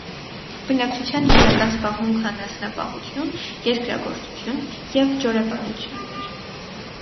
Բնակչության հիմնական զբաղմունքը անսնապահություն, երկրագործություն և ջորեպանությունն էր։